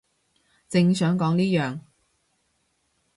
正想講呢樣